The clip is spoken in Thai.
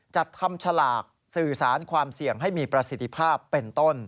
จัดทำฉลากสื่อสารความเสี่ยงให้มีประสิทธิภาพเป็นต้น